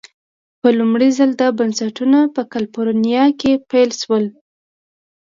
په لومړي ځل دا بنسټونه په کلفورنیا کې پیل شول.